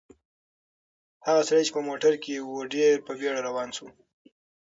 هغه سړی چې په موټر کې و ډېر په بیړه روان شو.